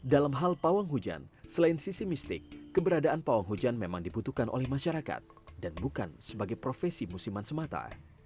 dalam hal pawang hujan selain sisi mistik keberadaan pawang hujan memang dibutuhkan oleh masyarakat dan bukan sebagai profesi musiman semata